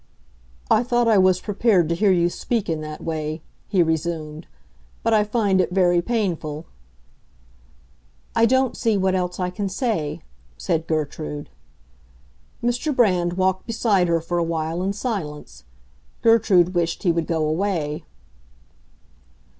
"I thought I was prepared to hear you speak in that way," he resumed. "But I find it very painful." "I don't see what else I can say," said Gertrude. Mr. Brand walked beside her for a while in silence; Gertrude wished he would go away.